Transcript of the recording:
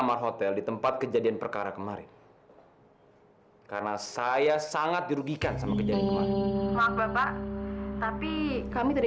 sampai jumpa di video selanjutnya